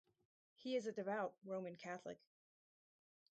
He is a devout Roman Catholic.